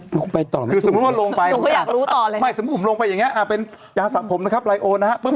หมายความว่าลงไปหมายความคืออ้าวเป็นยาสารผมนะครับลายโอนะครับ